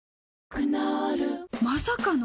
クノールまさかの！？